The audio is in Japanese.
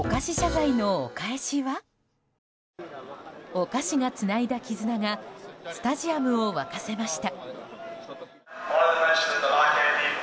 お菓子がつないだ絆がスタジアムを沸かせました。